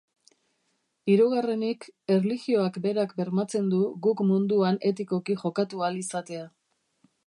Hirugarrenik, erlijioak berak bermatzen du guk munduan etikoki jokatu ahal izatea.